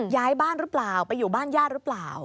ย้ายบ้านหรือเปล่าไปอยู่บ้านญาติหรือเปล่า